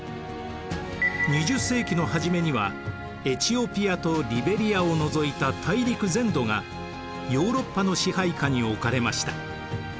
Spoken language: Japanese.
２０世紀の初めにはエチオピアとリベリアを除いた大陸全土がヨーロッパの支配下に置かれました。